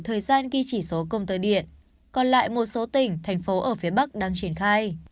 thời gian ghi chỉ số công tơ điện còn lại một số tỉnh thành phố ở phía bắc đang triển khai